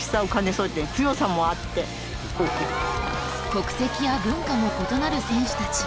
国籍や文化も異なる選手たち。